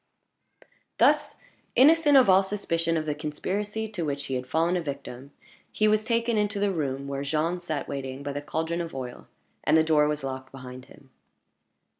Thus innocent of all suspicion of the conspiracy to which he had fallen a victim, he was taken into the room where Jean sat waiting by the caldron of oil, and the door was locked behind him.